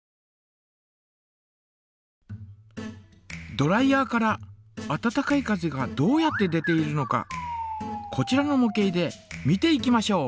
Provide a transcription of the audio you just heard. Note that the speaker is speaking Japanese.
ドライヤーから温かい風がどうやって出ているのかこちらのも型で見ていきましょう。